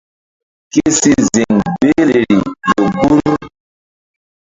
Ke si ziŋ behleri ƴo gbur.